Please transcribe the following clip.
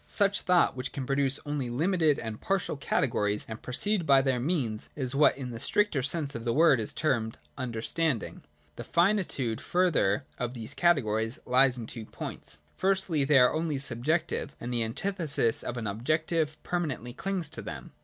Such thought, which can produce only limited and partial categories and proceed by their means, is what in the stricter sense of the word is termed Understanding. The finitude, further, of these categories lies in two points. Firstly, they are only subjective, and the antithesis of an ob jective permanently clings to them.